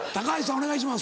お願いします。